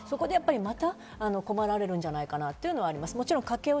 そこでまた困られるんじゃないかなっていうのはあります。